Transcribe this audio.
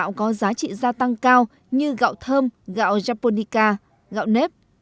cơ cấu chủng loại gạo xuất khẩu của việt nam đang có giá trị gia tăng cao như gạo thơm gạo japonica gạo nếp